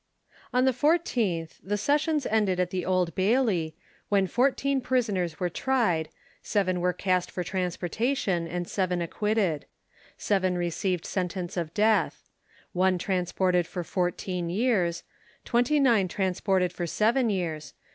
On the 14th, The sessions ended at the Old bailey, when fourteen prisoners were tried, seven were cast for transportation, and seven acquitted. Seven received sentence of death. One transported for fourteen years. Twenty nine transported for seven years.